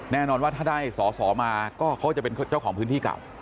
แน่นอนว่าถ้าได้สอสอมาก็เขาจะเป็นเจ้าของพื้นที่เก่า